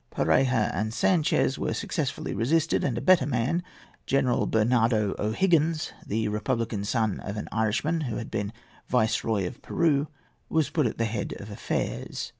Pareja and Sanchez were successfully resisted, and a better man, General Bernardo O'Higgins, the republican son of an Irishman who had been Viceroy of Peru, was put at the head of affairs.